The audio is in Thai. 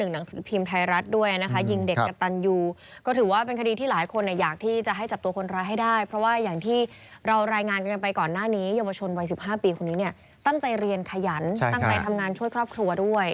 ใช่ค่ะวันนี้ก็เป็นภาพข่าวขึ้นหน้าหนึ่งหนังสือพิมพ์ไทยรัฐด้วย